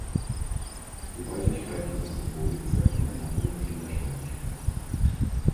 Die Häufigkeit dieser Symbolik zeugt von einer hohen Kindersterblichkeit.